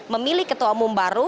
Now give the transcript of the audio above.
memilih ketua umum baru